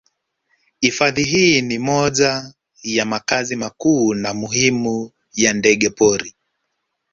Hifadhi hii ni moja ya makazi makuu na muhimu ya ndege pori